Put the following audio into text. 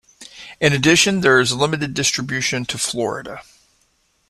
In addition, there is limited distribution to Florida.